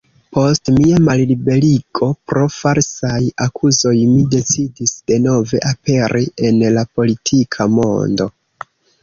Post mia malliberigo pro falsaj akuzoj mi decidis denove aperi en la politika mondo".